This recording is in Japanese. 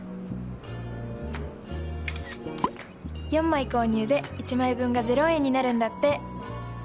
４枚購入で１枚分が０円になるんだって。